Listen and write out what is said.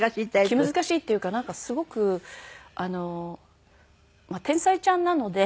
気難しいっていうかすごくあのまあ天才ちゃんなので。